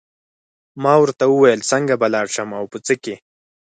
ما ورته وویل څنګه به لاړ شم او په څه کې.